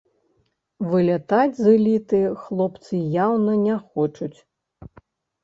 Вылятаць з эліты хлопцы яўна не хочуць.